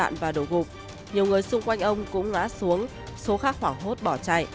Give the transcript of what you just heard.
nhiều người xung quanh ông cũng ngã xuống số khác khoảng hốt bỏ chạy